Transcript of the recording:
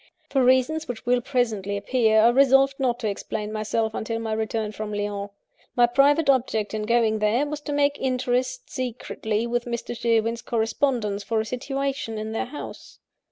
For reasons which will presently appear, I resolved not to explain myself until my return from Lyons. My private object in going there, was to make interest secretly with Mr. Sherwin's correspondents for a situation in their house.